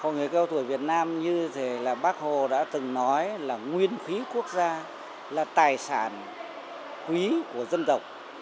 người cao tuổi việt nam như thế là bác hồ đã từng nói là nguyên khí quốc gia là tài sản quý của dân tộc